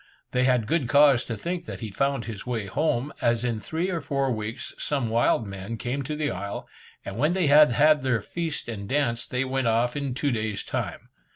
They had good cause to think that he found his way home, as in three or four weeks some wild men came to the isle, and when they had had their feast and dance, they went off in two days' time.